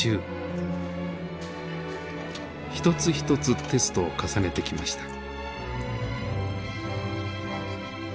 一つ一つテストを重ねてきました。